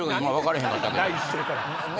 第一声からね。